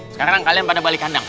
sekarang kalian pada balik kandang